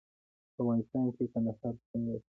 په افغانستان کې کندهار شتون لري.